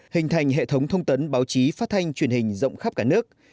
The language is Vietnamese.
hình thành hệ thống thông tấn báo chí phát thanh truyền hình rộng khắp cả nước